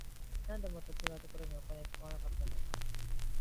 なんでもっと違うところにお金使わなかったんだか